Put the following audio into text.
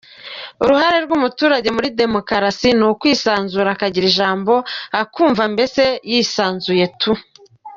uruhare rw’umuturage muri demokarasi ni ukwisanzura, akagira ijambo, akumva mbese yisanzuye tu”.